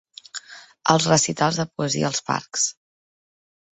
Els recitals de Poesia als parcs.